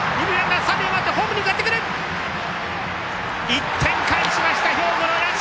１点返しました兵庫の社！